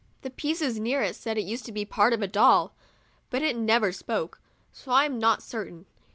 "The pieces near it said it used to be part of a doll ; but it never spoke, so I'm not certain.